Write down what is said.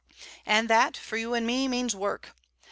And that, for you and me, means work.